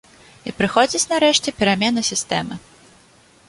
І прыходзіць нарэшце перамена сістэмы.